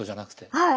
はい。